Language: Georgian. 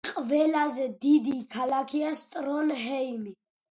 ყველაზე დიდი ქალაქია ტრონჰეიმი.